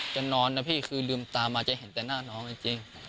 นอนนะพี่คือลืมตามาจะเห็นแต่หน้าน้องจริง